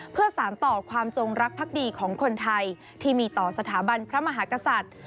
เพื่อสารต่อความจงรักภักดีของคนไทยที่มีต่อสถาบันพระมหากษัตริย์